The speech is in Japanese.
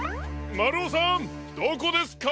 まるおさんどこですか？